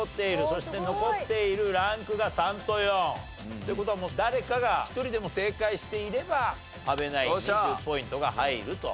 そして残っているランクが３と４。って事はもう誰かが１人でも正解していれば阿部ナインに１０ポイントが入ると。